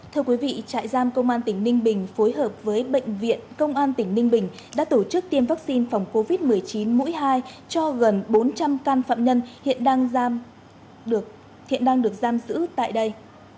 thưa quý vị trại giam công an tỉnh ninh bình phối hợp với bệnh viện công an tỉnh ninh bình đã tổ chức tiêm vaccine phòng covid một mươi chín mũi hai cho gần bốn trăm linh can phạm nhân hiện đang thiện đang được giam giữ tại đây